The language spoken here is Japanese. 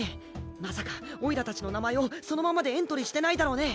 まさかおいらたちの名前をそのままでエントリーしてないだろうね？